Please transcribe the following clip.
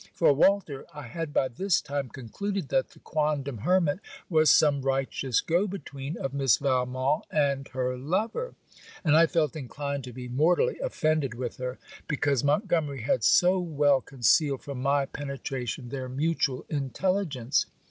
For, Walter, I had by this time concluded that the quondam hermit was some righteous go between of Miss Valmont and her lover; and I felt inclined to be mortally offended with her, because Montgomery had so well concealed from my penetration their mutual intelligence.